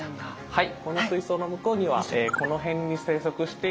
はい。